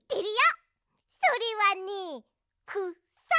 それはねくさ。